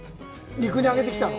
陸に揚げてきたの？